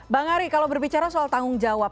bang ari kalau berbicara soal tanggung jawab